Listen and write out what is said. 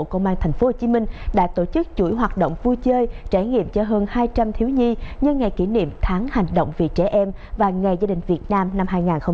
công an tp hcm đã tổ chức chuỗi hoạt động vui chơi trải nghiệm cho hơn hai trăm linh thiếu nhi nhân ngày kỷ niệm tháng hành động vì trẻ em và ngày gia đình việt nam năm hai nghìn hai mươi bốn